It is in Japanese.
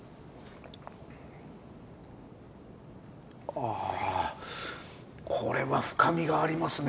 あこれは深みがありますね。